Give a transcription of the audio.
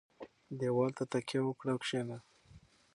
دېوال ته تکیه وکړه او کښېنه.